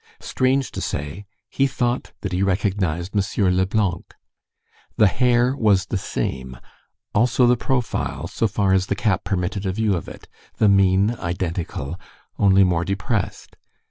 Strange to say, he thought that he recognized M. Leblanc. The hair was the same, also the profile, so far as the cap permitted a view of it, the mien identical, only more depressed.